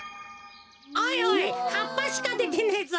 おいおいはっぱしかでてねえぞ。